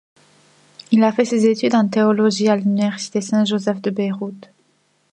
Il a fait ses études en théologie à l'université Saint-Joseph de Beyrouth.